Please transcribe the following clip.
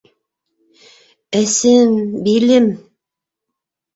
Әсем, билем!